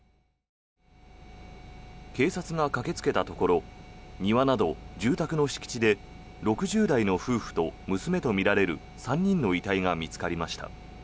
警察が駆けつけたところ庭など住宅の敷地で６０代の夫婦と娘とみられる３人の遺体が見つかりました。